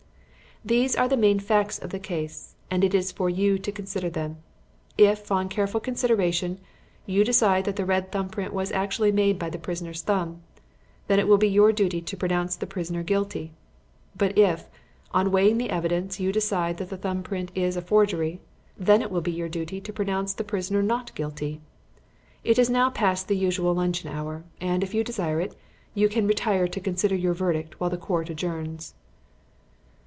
"These are the main facts of the case, and it is for you to consider them. If, on careful consideration, you decide that the red thumb print was actually made by the prisoner's thumb, then it will be your duty to pronounce the prisoner guilty; but if, on weighing the evidence, you decide that the thumb print is a forgery, then it will be your duty to pronounce the prisoner not guilty. It is now past the usual luncheon hour, and, if you desire it, you can retire to consider your verdict while the Court adjourns."